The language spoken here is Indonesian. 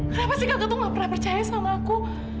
kenapa sih kata tuh gak pernah percaya sama aku